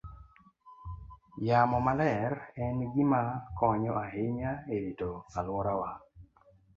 Yamo maler en gima konyo ahinya e rito alworawa.